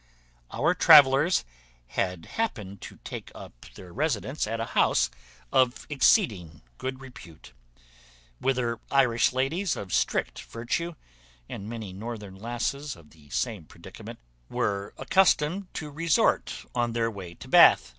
Our travellers had happened to take up their residence at a house of exceeding good repute, whither Irish ladies of strict virtue, and many northern lasses of the same predicament, were accustomed to resort in their way to Bath.